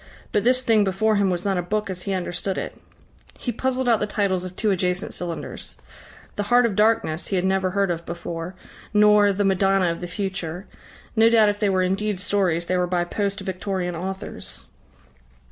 But this thing before him was not a book as he understood it. He puzzled out the titles of two adjacent cylinders. "The Heart of Darkness" he had never heard of before nor "The Madonna of the Future" no doubt if they were indeed stories, they were by post Victorian authors.